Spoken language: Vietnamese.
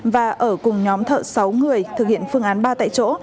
và ở cùng nhóm thợ sáu người thực hiện phương án ba tại chỗ